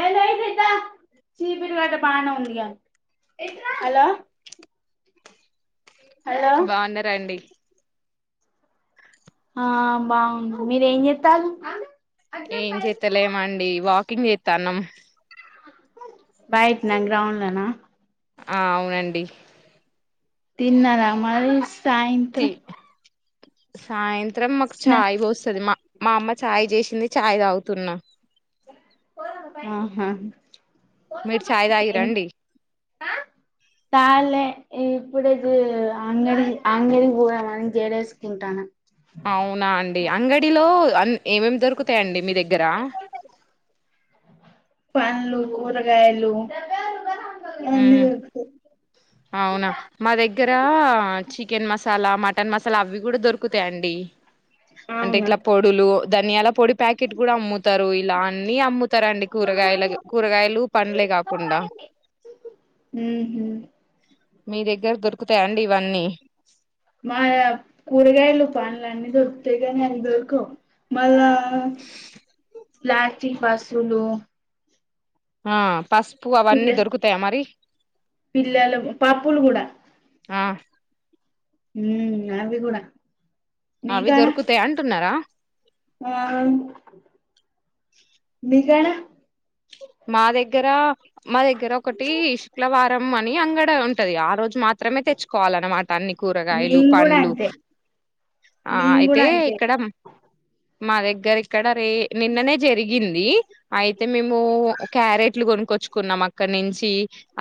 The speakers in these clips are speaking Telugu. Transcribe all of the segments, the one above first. ఏ కాయితే శిపిరి వా బాన ఉందియా హలో హలో బాగున్నారాండి ఆ బాగుంది మీరేం చెత్తాలు ఏం చేతలేమండి వాక్ కింగ్ చేతానం బయిట్నా గ్రౌండ్లోనా ఆ అవునండి తిన్నార మరిస్ సాయంత్రం సైన్స్ మాత్రం మాకు స్నా చాయి పోస్తది మా మా అమ్మ చాయ్ చేసింది చాయ్ తాగుతున్నా ఆహా మీరు చాయ్ తాగిర్రా అండి చాల్లే ఏ ఇప్పుడ ఇది ఆంగడి ఆంగడి పోదమని జేడేసుకుంటాన్న అవునా అండి అంగడిలో ఏమేం దొరుకుతాయంండి మీ దగ్గర పన్లు కూరగాయలు అన్నీ మ్మ్ దొరుకుతాయ్ అవునా మా దగ్గర ఆ చికెన్ మస మసాలా మటన్ మసాలా అవి కూడా దొరుకుతాయండి అంటే అవునా ఇట్ల పొడులు ధనియాల పొడి ప్యాకెట్ కూడా అమ్ముతారు ఇలా అన్ని అమ్ము వస్తారండి కూరగాయల్ కూరగాయలు పండ్లే కాకుండా ఉహు మీ దగ్గర దొరుకుతాయండి ఇవన్నీ మా కూరగాయలు పనులు అన్ని దొరుకుతాయి కాగాని అయి దొరకవుమళ్ళా ప్లాస్టిక్ వస్తువులు ఆ పసుపు అవన్నీ దొరుకుతాయా మరి పిల్లలు పప్పులు ఆ హ్మ్ అది కూడా అవి మీకానా దొరుకుతాయి అంటున్నారా ఆ మీకానా మా దగ్గర మా దగ్గర ఒకటి శుక్లవారం అని అంగడ ఉంటది ఆ రోజు మాత్రమే తెచ్చుకోవాలన్నమాట అన్ని కూరగాయలు మేం కూడా పండ్లు అంతే ఆ మేం అయితే కూడా అంతే ఇక్కడ మా దగ్గర ఇక్కడ రే నిన్ననే జరిగింది అయితే మేము క్యారెట్లు కొనుక్కొచ్చ తెచ్చుకున్నాం అక్కడి నుంచి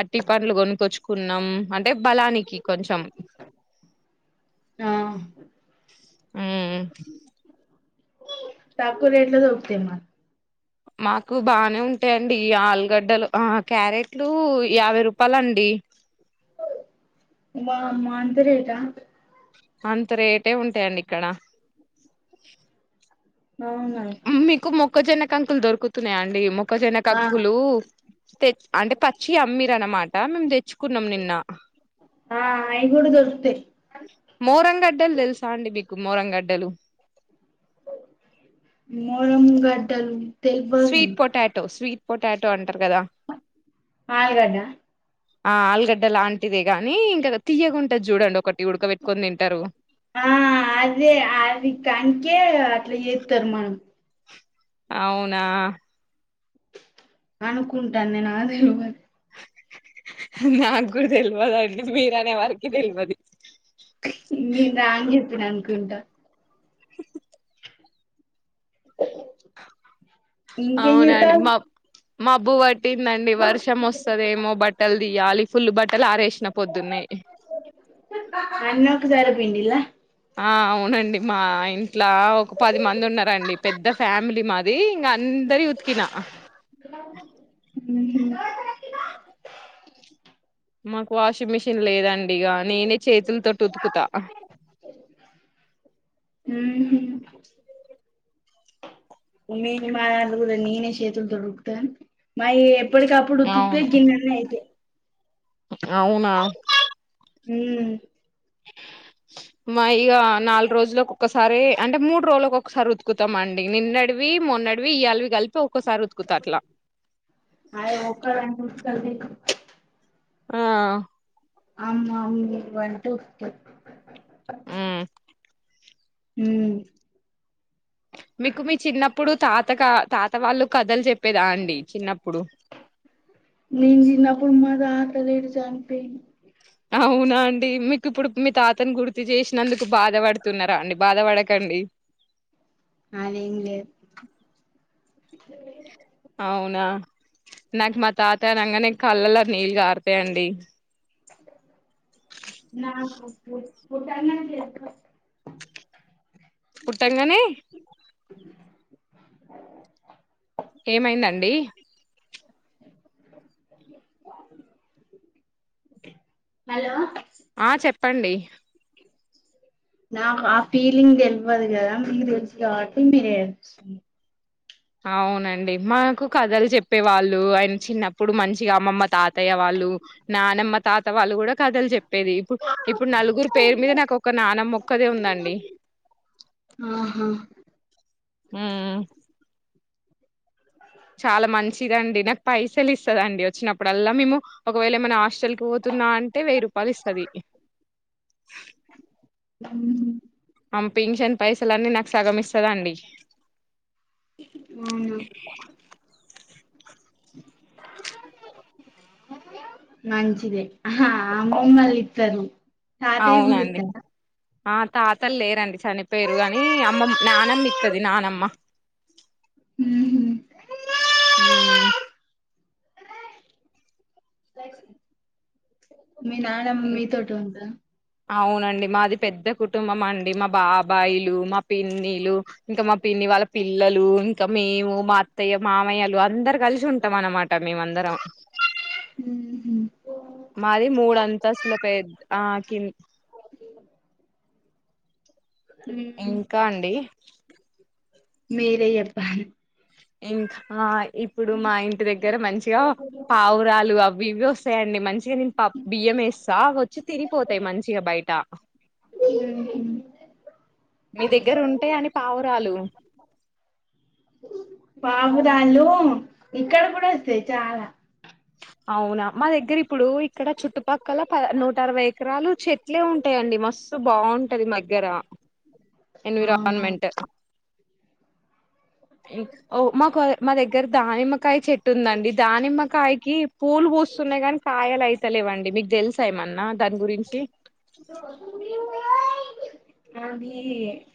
అట్టి పనులు కొనుక్కో చ్చు కున్నాం అంటే బలానికి కొంచెం ఆ ఆ ఠాకూలు ఎట్ల ద ఒకే మ్మ మాకు బానే ఉంటయండి ఆలుగడ్డలు క్యారెట్లు యాభై రూపాయలు అండి వామ్మో అంత రేటా అంత రేటే ఉంటాయండి ఇక్కడ అవును మీకు మొక్కజొన్న కంకులు దొరుకుతున్నాయాండి మొక్కజొన్న ఆ కంకులు తె అంటే పచ్చియి అమ్మిర్ అనమాట మేము దెచ్చుకున్నం నిన్న అ మోరంగడ్డలు దెల్ సాండి మికు మోరం గడ్డలు మోరమ్ గటల్ స్వీట్ పొటాటో స్వీట్ పొటాటో అం ఆలుగడ్డా ఆ ఆలుగడ్డ లాంటిదే కాని ఇంకా త తీయగుంటది చూడండి ఒకటి ఉడకబెట్టుకొని తింటారు ఆ అది అది కనిక అట్ల ఏ తినమను అవునా అనుకుంటాను నేను నా దేవోగని నాకు గూడ దెల్వదండి మీర్ అనే వరికి దెల్వది నెన్ రాంగ్ జెప్పినన్కుంట ఇంకేం జెత్తాల్ మాబ్బువట్ పట్టిందండి వర్షం వస్తుదేమో బట్టలు తియ్యాలి ఫుల్ బట్టలు ఆరేశ్న పొద్దున్నె అన్నొకు తర పిడిలా ఆ అవునండి మా ఇ ఇట్లా ఒక పది మంది ఉన్నరండి పెద్ద ఫ్యామిలీ మాది ఇంకా అందరి ఉతికినా ఉహు మాకు వాషింగ్ మిషిన్ లేదండి డిగా నేనే చేతులతోటి ఉతుకుతా మి మా కూడా నేనే శేతుల్తోటి ఉతుకుత గని మయి ఎప్పటికప్పుడు ఉతుకుతె అవును గిన్నున్న అయితె అవునా మ్ మా ఇగా నాలుగు రోజులు ఒకక్కసారి అంటే మూడు రోజులు ఒకసారి ఉతుకుతం అండి నిన్నడివి మొన్నడివి ఇయ్యళవి కలిపి ఒక్కసారి ఉతుకుతా అట్లా అది [inaudible] ఆ అమమ్ వంటంట మ్ మ్ మీకు మీ చిన్నప్పుడు తాతగా తాత వాళ్ళు కథలు చె చెప్పేదా అండి చిన్నప్పుడు నేను చిన్నప్పుడు మా తాత లేరు చంపోయిండు అవునా అండి మీకు ఇప్పుడు మీ తాతను గుర్తు చేసినందుకు బాధ పడుతున్నారా అండి బాధ పడకండి ఇ అవునా నాకు మా తాత అనగానే కళ్ళలో నీళ్ళు కారుతయండి [unintelligible] పుట్టంగానే ఏమైందండి హలో ఆ చెప్పండి నాకు ఆ ఫీలింగ్ దెల్వదు గదా మీకు తెలిసు కాబట్టి మీరేపిస్తుంది అవునండి మాకు కథలు చెప్పేవాళ్ళు ఆయన చిన్నప్పుడు మంచిగా అమ్మమ్మ తాతయ్య వాళ్ళు నానమ్మ తాత వాళ్ళు కూడా కథలు చెప్పేది ఇప్పు ఇప్పుడు నలుగురు పేరు మీద నాకు ఒక నానమ్ మొక్కదే ఉందండి ఆహా మ్ చాలా మంచిదండి నాకు పైసలు ఇస్తదండి వచ్చినప్పుడల్లా మేము ఒకవేళ ఏమైనా హాస్టల్ కి వోతున్నా అంటే వెయ్యి రూపాల్ ఇస్తది మ్హ్ ఆ పెన్షన్ పైస లన్నీ నాకు సగమిస్తదండి మంచిది ఆహా అమామ్మలిద్దరూ తాతయ కూడా అవునండి ఇతర ఆ తాతలు లేరండి చనిపోయరు కాని అమ్మ నానమ్మ ఇత్తది నానమ్మ ఉహు. ఈ మీ నాన్నమ్మ మీతోటి వుంటదా అవునండి మాది పెద్ద కుటుంబం అండి మా బాబాయిలు మా పిన్నిలు ఇంకా మా పిన్ని వాళ్ళ పి పిల్లలు ఇంకా మేము మా అత్తయ్య మామయ్యలు అందరు కలిసి ఉంటాం అన్నమాట మేమ అందరం ఉ మాది మూడు అంత తస్ల ప ఆ కి ఉమ్. ఇంకా అండి మీరే చెప్పాలి ఇంకా ఇప్పుడు మా ఇంటి దగ్గర మంచిగా పావురాలు వస్తాయండి మంచిగా నేను బియ్యం వేస్తా వచ్చి తినిపోతాయి మంచిగా బయట ఉహు. మీ దగ్గర ఉంటే అని పావురాలు పావురాలు ఇక్కడ కూడా వస్తాయి చాలా అవునా మా దగ్గర ఇప్పుడు ఇక్కడ చుట్టుపక్కల ప నూట అరవై ఎకరాలు చెట్లే ఉంటాయండి మస్తు బాగుంటది మాదగ్గర అవునా ఎన్విరాన్మెంట్ ఓ మాకు మా దగ్గర దానిమ్మకాయ చెట్టు ఉందండి దానిమ్మకాయకి పూలు పూస్తున్నాయి కానీ కాయలు అయి లేవండి మీకు తెలుసా ఏమన్నా దాని గురించి అది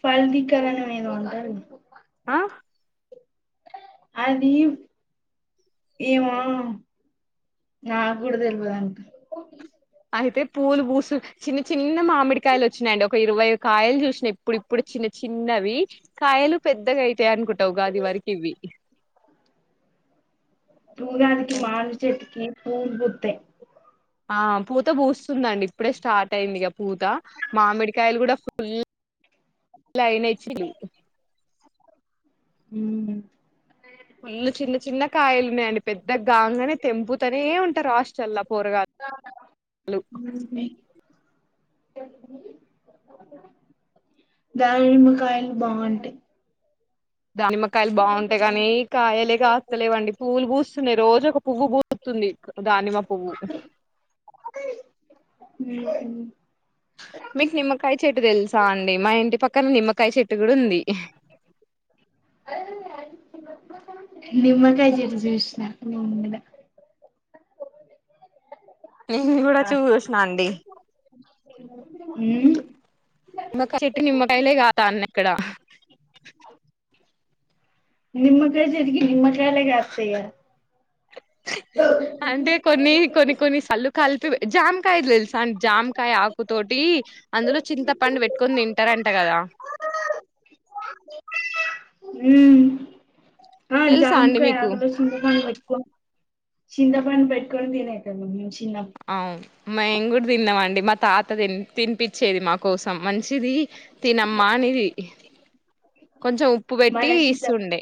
ఫల్ దకర ఉద అంద ఆ అది ఏమో నా కూడా తెలియదాక అయితే పూలు పూసులు చిన్న చిన్న మామిడికాయలు వచ్చినాయండి ఒక ఇరవై కాయలు చూసు ఇప్పుడు ఇప్పుడు చిన్న చిన్నవి కాయలు పెద్దగా అయితాయి అనుకుంటా ఉగాది వరకి ఇవి ఉగాదికి మామిడి చెట్టుకి పూలు పుట్టై ఆ పూత పూస్తుందండి ఇప్పుడే స్టార్ట్ అయింది ఇక పూత మామిడికాయలు కూడా ఫుల్ అయినచ్చ ఉ ఫుల్లు చిన్న చిన్న కాయలున్నాయండి పెద్ద గాంగనే తెంపు తనే ఉంటారు ఆస్టల్లా పోరగాలు ఉమ్. దానిమ్మకాయలు బాగుంటయ్ దానిమ్మకాయలు బాగుంటాయి కానీ కాయలే కాస్తలేవండి పూవలు పూస్తున్నాయి రోజ్ ఒక్ పువ్వు పూస్తూతుంది దానిమ్మ పువ్వు ఉమ్ మీకు నిమ్మకాయ చెట్టు తెలుసా అండి మా ఇంటి పక్కన నిమ్మకాయ చెట్టు కూడా ఉంది నిమ్మకై చెట్టు జూసిన నేన్ కూడ నేను కూడా ఆ చూసిన అండి ఉమ్ చెట్టు నిమ్మ కైలే కాదా అన్న ఇక్కడ నిమ్మకై చెట్టు కి నిమ్మకయ్లె కాస్తాయ అంటే కొన్ని కొన్ని కొన్ని సల్లు కలిపి జామకాయ తెలుసా అం జామకాయ ఆకుతోటి అందులో చింతపండు పెట్టుకొని తింటారంట కదా ఉమ్ ఆ తెలుసా జామ్ అండి కయ మీకు ఆకులు సింతపండు పెట్కు న్ సింతపండ్ వెట్టుకొన్ తినేతది అవును మేం కూడా తిన్నాం అండి మా తాత తినిపించేది మా కోసం మంచి మంచిది తినమ్మా అనేది కొంచెం ఉప్పు మళ్ళ పెట్టి చింత ఇస్తుండే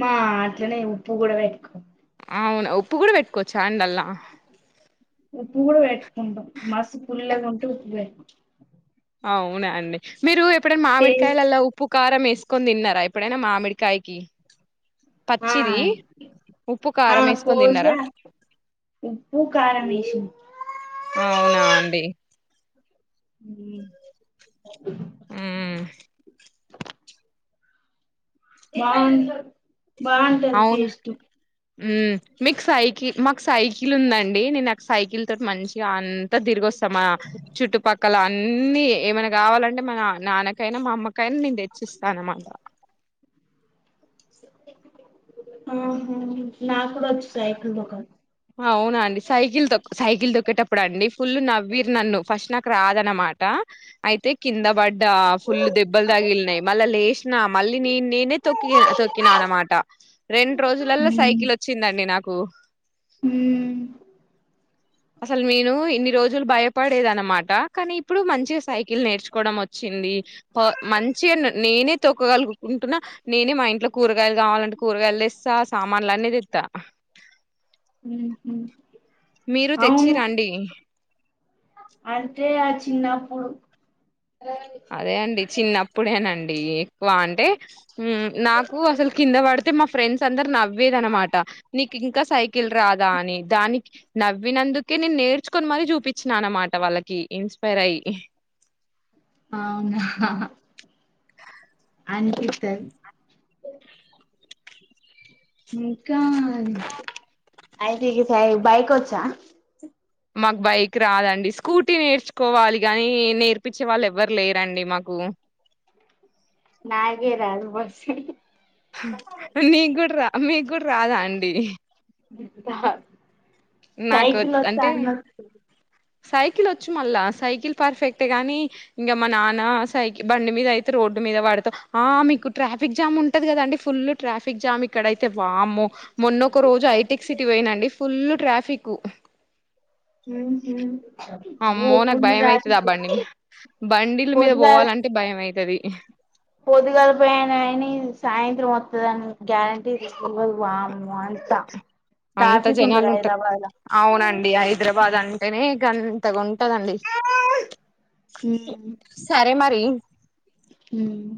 మా అట్లనే ఉప్పు కూడా ఎక్కువ అవును ఉప్పు కూడా పెట్టుకోవచ్చు అండలు ఉప్పు గూడా వెటుకుంటాం మస్ పుల్గా టూ బెట్ అవునా అండి మీరు ఏప్ ఇప్పుడే మామిడికాయలు టేస్ట్ అలా ఉప్పు కారం వేసుకొని తిన్నార ఎప్పుడైనా మామి అమెరికాయకి ఆ పచ్చిది ఉప్పు ఆ కారం వేసుకొని కోసి తిన్నారా ఉప్పు కారం వేసి అవునా అండి ఉమ్ మ్మ్ [unintelligible] బాటది టేస్ట్ ఉ మిక్స్ ఆయికి మాకు సైకిల్ ఉందండి నేను సైకిల్ తోట్ మంచిగా అంతా తిరిగో స్ ఆ చుట్టుపక్కల అన్నిీ ఏమైనా కావాలంటే మా నా నాన్నకైనా, మా అమ్మకైనా నేను తెచ్చిస్తానమాట. మ్ హు నా కూడ వచ్చు సైకిల్ తొక్క అవున అండి సైకిల్ తొక్ సైకిల్ తొక్కేటప్పుడు అండి ఫుల్ నవ్విర్ నన్ను ఫస్ట్ నాకు రాద అన్నమాట. అయితే కింద పడ్డా ఫుల్ దెబ్బలు తగిలినయి మళ్ళీ లేశినా మళ్ళీ నే నేనే తొక్కి తొక్కినా అనమాట రెండు రోజులల్లో సైకిల్ వచ్చిందండి నాక్ కు హ్మ్ అసలు నేను ఇన్ని రోజులు భయపడేది అనమాట. కానీ ఇప్పుడు మంచిగా సైకిల్ నేర్చుకోవడం వచ్చింది. ప మంచిగా నేనే తొక్కగలుగుకుంటున్నా నేనే మా ఇంట్లో కూరగాయలు కావాలంటే కూరగాయలు తెస్తా సామాన్లు అనేది తెత్త. హ్మ్ హు మీరు తెచ్చిర అండి అంటే ఆ చిన్నప్పుడు అదే అండి చిన్నప్పుడేనండి ఎక్కువ అంటే మ్మ్ నాకు అసలు కింద పడితే మా ఫ్రెండ్స్ అందరు నవ్వేదన అనమాట నీకు ఇంకా సైకి కిల్ రాదా అని దాని నవ్వినందుకే నేను నేర్చుకొని మరీ చూపించిన అన్నమాట వాళ్ళకి ఇన్స్పైర్ అయి. అవునా. అంద్ [unintelligible] ఇంకా అయితే ఈ సయి బైక్ వచ్చా? మాకు బైక్ రాదండి స్కూటీ నేర్చుకోవాలి గానీ నేర్పించే వాళ్ళు ఎవ్వరు లేరండి మాకు! నాగే రాదు బస్సు నీ కూడ రా మీ కూడా రాదా అండి? నాకు సైకిలొస్తే అంటే అన్ని వస్తయి సైకిల్ వచ్చు మళ్ళా సైకిల్ పర్ఫెక్టే గాని ఇంగ మా నాన్న సైకి బండి మీద అయితే రోడ్డు మీద వాడతవ్, ఆ మీకు ట్రాఫిక్ జామ్ ఉంటది కదండి ఫుల్ ట్రాఫిక్ జామ్ ఇక్కడైతే వామ్మో మొన్న ఒక రోజు ఐటెక్ సిటీ పోయినండి ఫుల్ల్ ట్రాఫికు హ్మ్ హు అమ్మో నాకు భయం అయితుది ఆ బండి మీద బండిల మీద పోవాలంటే భయం అవుతది పొదుగలి పోయానయని సాయంత్రం వస్తుందని గ్యారంటీ ఇవదు బామ్ అంత అంత ట్రాఫిక్ ఉంటది జనాలు ఉంటారు హైదరాబాద్ ల అవునండి హైదరాబాద్ అంటేనే ఇక తగుం ట్టదండి సరే మర్ రీ హ్మ్